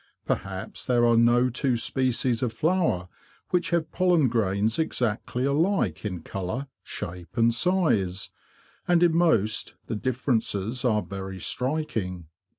Perhaps there are no two species of flower which have pollen grains exactly alike in colour, shape, and size, and in most the differences are very striking.